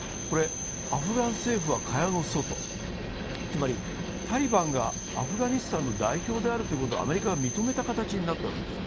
アフガン政府は蚊帳の外、つまりタリバンがアフガニスタンの代表であるとアメリカが認めた形になったわけですね。